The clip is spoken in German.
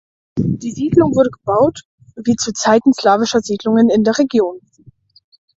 Die Siedlung wurde gebaut wie zu Zeiten slawischer Siedlungen in der Region.